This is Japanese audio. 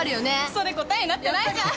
それ答えになってないじゃん。